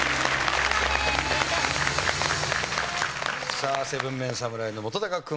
さあ７ＭＥＮ侍の本君。